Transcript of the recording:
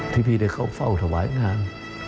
ที่พี่ได้เข้าเฝ้าถวายงาน